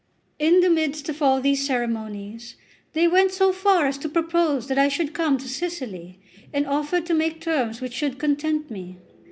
In the midst of all these ceremonies, they went so far as to propose that I should come to Sicily, and offered to make terms which should content me.